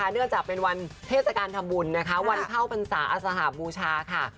เนื่องจากเป็นวันเทศกาลทำบุญนะคะวันเข้าพรรษาอสหบูชาค่ะ